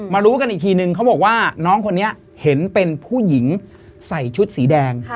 รู้กันอีกทีนึงเขาบอกว่าน้องคนนี้เห็นเป็นผู้หญิงใส่ชุดสีแดง